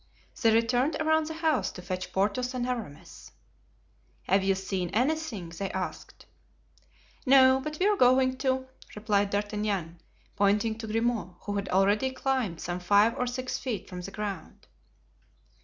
They returned around the house to fetch Porthos and Aramis. "Have you seen anything?" they asked. "No, but we are going to," replied D'Artagnan, pointing to Grimaud, who had already climbed some five or six feet from the ground.